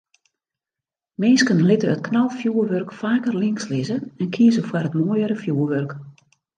Minsken litte it knalfjoerwurk faker links lizze en kieze foar it moaiere fjoerwurk.